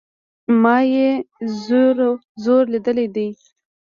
ما ئې زور ليدلى دئ